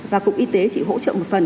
và cụng y tế chỉ hỗ trợ một phần